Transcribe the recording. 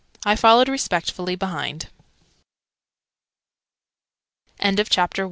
I followed respectfully behind. CHAPTER 2.